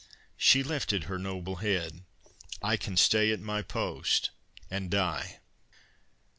She lifted her noble head: "I can stay at my post, and die."